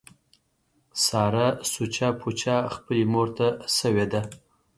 ساره سوچه پوچه خپلې مورته شوې ده.